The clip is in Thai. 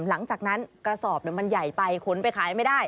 หลังจากนั้นกระสอบนี่มันใหญ่ไปขนไปขายไม่ได้